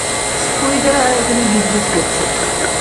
স্কুইডেরা এখানে গিজগিজ করছে।